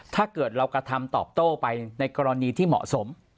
ถ้าเกิดเรากระทำตอบโต้ไปในกรณีที่เหมาะสม